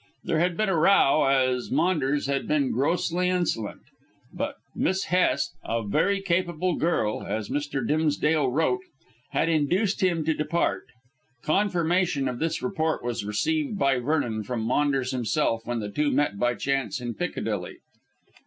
There had been a row, as Maunders had been grossly insolent, but Miss Hest a very capable girl, as Mr. Dimsdale wrote had induced him to depart. Confirmation of this report was received by Vernon from Maunders himself, when the two met by chance in Piccadilly.